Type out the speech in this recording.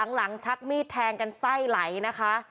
หลังชักมีดแทงกันไส้ไหลนะคะ